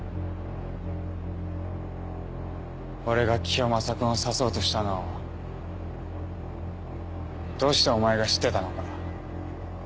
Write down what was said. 俺がキヨマサ君を刺そうとしたのをどうしてお前が知ってたのか。